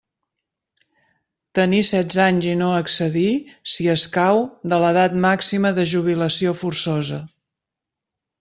Tenir setze anys i no excedir, si escau, de l'edat màxima de jubilació forçosa.